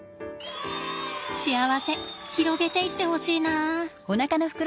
幸せ広げていってほしいな。